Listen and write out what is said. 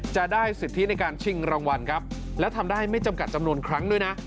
จะได้สิทธิในการชิงรางวัลครับและทำได้ไม่จำกัดจำนวนครั้งด้วยนะ